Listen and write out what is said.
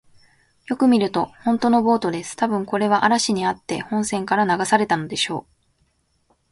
よく見ると、ほんとのボートです。たぶん、これは嵐にあって本船から流されたのでしょう。